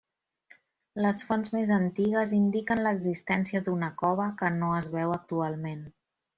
Les fonts més antigues indiquen l'existència d'una cova que no es veu actualment.